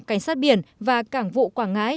cảnh sát biển và cảng vụ quảng ngãi